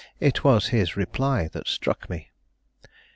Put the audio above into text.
It was his reply that struck me.